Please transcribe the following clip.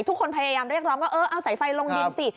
ทุกคนพยายามเรียกเราเอาสายไฟลงดินสิ